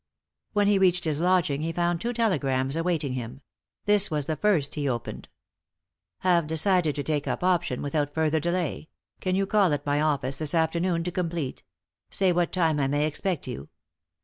When he reached his lodging he found two telegrams awaiting him. This was the first he opened :—" Have decided to take up option without further delay. Can you call at my office this afternoon to complete ? Say what time I may expect you.